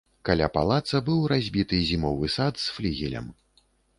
Каля палаца быў разбіты зімовы сад з флігелем.